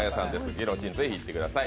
ギロチン、是非行ってください。